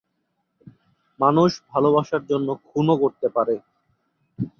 মানুষ ভালোবাসার জন্য খুনও করতে পারে!